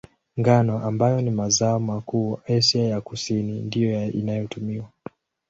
Ngano, ambayo ni mazao makuu Asia ya Kusini, ndiyo inayotumiwa.